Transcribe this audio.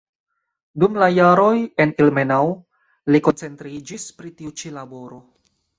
Dum la jaroj en Ilmenau li koncentriĝis pri tiu ĉi laboro.